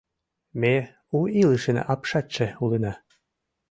Ме у илышын апшатше улына!